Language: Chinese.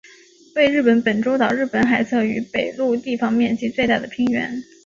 为日本本州岛日本海侧与北陆地方面积最大的平原。